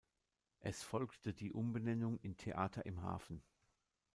Es folgte die Umbenennung in „Theater im Hafen“.